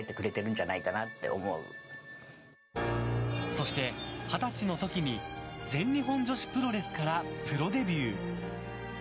そして二十歳の時に全日本女子プロレスからプロデビュー。